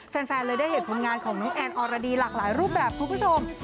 แฟนเลยได้เห็นผลงานของน้องแอนอรดีหลากหลายรูปแบบคุณผู้ชม